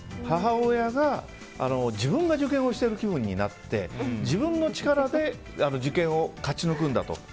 母親が自分が受験をしてる気分になって自分の力で受験を勝ち抜くんだと。